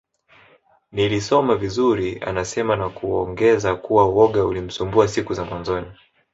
Nilisoma vizuri anasema na kuongeza kuwa woga ulimsumbua siku za mwanzoni